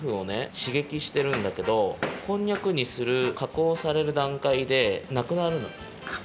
しげきしてるんだけどこんにゃくにするかこうされるだんかいでなくなるの。